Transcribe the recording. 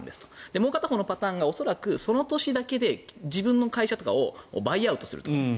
もう片方が恐らくその年だけで自分の会社をバイアウトするとか。